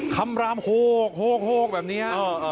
คำรามโหกแบบนี้